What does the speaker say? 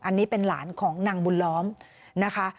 อันนี้เป็นหลานของนางบุญล้อมนะคะ